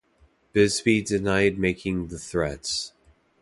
Busby denied making the threats.